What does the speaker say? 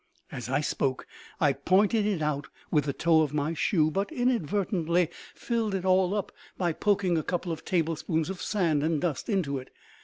As I spoke I pointed it out with the toe of my shoe, but inadvertently filled it all up by poking a couple of tablespoonfuls of sand and dust into it.